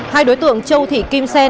hai đối tượng châu thị kim sen